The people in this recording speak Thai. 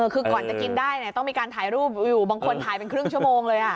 คือก่อนจะกินได้ต้องมีการถ่ายรูปอยู่บางคนถ่ายเป็นครึ่งชั่วโมงเลย